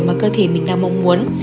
mà cơ thể mình đang mong muốn